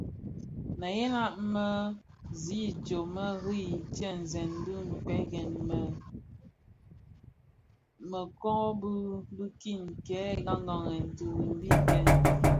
Meghela mě zi idyom meri teesèn dhikpegmen yè menőbökin kè ghaghalen birimbi bhëñ,